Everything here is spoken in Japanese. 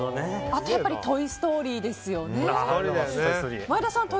あと、やっぱり「トイ・ストーリー」ですよね。